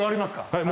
はい。